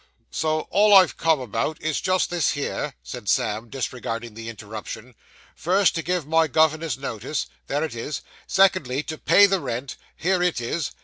'So all I've come about, is jest this here,' said Sam, disregarding the interruption; 'first, to give my governor's notice there it is. Secondly, to pay the rent here it is.